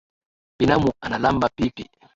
Binamu analamba pipi.